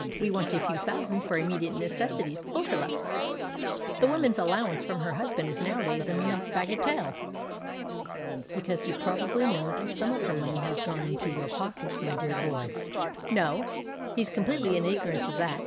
We want a few thousands for immediate necessities, both of us. The woman's allowance from her husband is nowadays a mere bagatelle." "Because he probably knows that some of her money has gone into your pockets, my dear boy." "No; he's completely in ignorance of that.